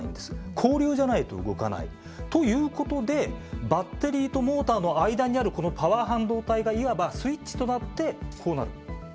交流じゃないと動かないということでバッテリーとモーターの間にあるこのパワー半導体がいわばスイッチとなってこうなる。